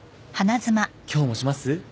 今日もします？